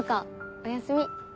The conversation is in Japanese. おやすみ。